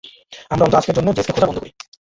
আমরা অন্তত আজকের জন্য জেসকে খোঁজা বন্ধ করি।